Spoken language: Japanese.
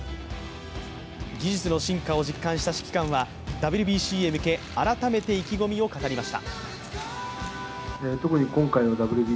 技術の進化を実感した指揮官はＷＢＣへ向け、改めて意気込みを語りました。